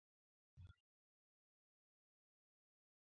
دا د کمیسیون د رییس تر اثر لاندې ده.